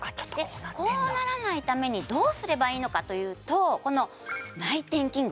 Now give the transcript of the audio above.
こうならないためにどうすればいいのかというとこの内転筋群